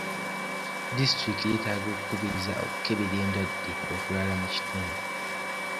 Disitulikiti yetaaga okukubiriza okukebera endwadde okulala mu kitundu.